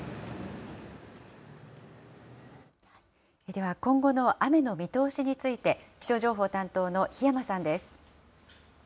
では、今後の雨の見通しについて、気象情報担当の檜山さんです。